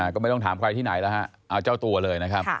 ก็ไม่ต้องถามใครที่ไหนแล้วฮะเอาเจ้าตัวเลยนะครับ